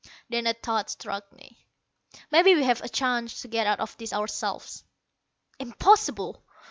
Then a thought struck me. "Maybe we have a chance to get out of this ourselves." "Impossible.